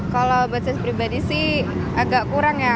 kalau basis pribadi sih agak kurang ya